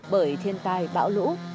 bởi thiên tai bão lũ